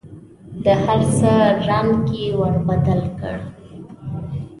د هر څه رنګ یې ور بدل کړ .